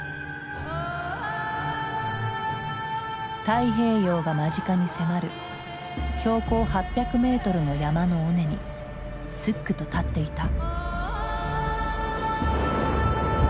太平洋が間近に迫る標高８００メートルの山の尾根にすっくと立っていた。